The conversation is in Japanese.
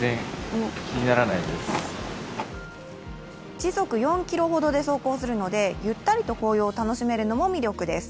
時速４キロほどで走行するのでゆったりと紅葉を楽しめるのも魅力です。